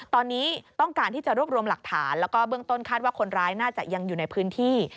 ตอนนี้ต้องการที่จะรวบรวมหลักฐานแล้วก็เบื้องต้นคาดว่าคนร้ายน่าจะยังอยู่ในพื้นที่